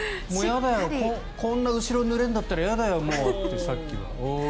こんなに後ろ、ぬれるんだったら嫌だよ、もうってさっきの。